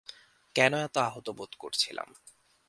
কেন এত আহত বোধ করছিলাম?